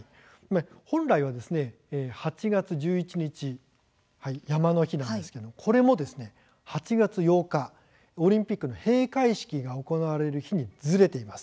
本来は８月１１日、山の日ですがこれも８月８日オリンピックの閉会式が行われる日にずれています。